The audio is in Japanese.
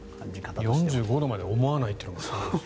４５度まで思わないっていうのもすごいですね。